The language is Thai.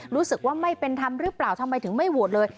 รู้สึกว่าไม่เป็นธรรมหรือเปล่าทำไมถึงไม่โหวตเลย